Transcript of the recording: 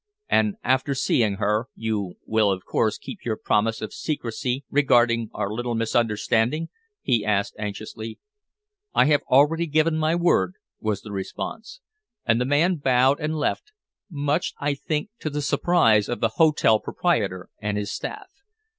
"And after seeing her, you will of course keep your promise of secrecy regarding our little misunderstanding?" he asked anxiously. "I have already given my word," was the response; and the man bowed and left, much, I think, to the surprise of the hotel proprietor and his staff.